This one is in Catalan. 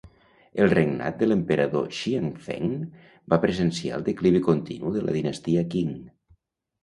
El regnat de l'emperador Xianfeng va presenciar el declivi continu de la dinastia Qing.